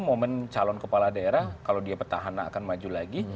momen calon kepala daerah kalau dia petahana akan maju lagi